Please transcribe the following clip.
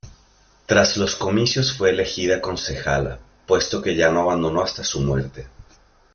Tras los comicios, fue elegida concejala, puesto que ya no abandonó hasta su muerte.